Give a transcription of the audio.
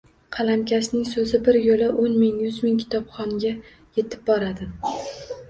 Qalamkashning So’zi bir yo’la o’n ming, yuz ming kitobxonga yetib boradi.